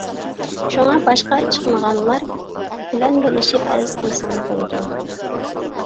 شۇڭا، باشقا چىقمىغانلار بىلەن بىرلىشىپ ئەرز قىلسىڭىز بولىدۇ.